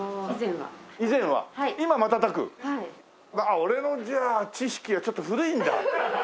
俺のじゃあ知識がちょっと古いんだ。